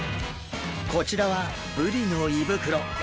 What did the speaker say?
こちらはブリの胃袋！